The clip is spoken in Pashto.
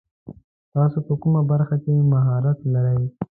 تاسو په کومه برخه کې مهارت لري ؟